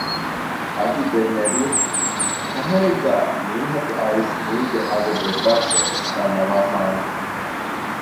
އަދި ދެންނެވިއެވެ ފަހަރެއްގައި މީހަކު އައިސް މީގެ އަގު ދެއްވާށޭ ވެސް ދަންނަވާފާނެ